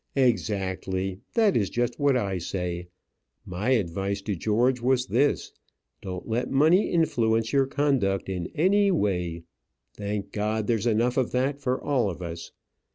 "Exactly that is just what I say. My advice to George was this. Don't let money influence your conduct in any way. Thank God, there's enough of that for all of us!